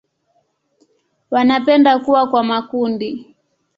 Wanapenda kuwa kwa makundi.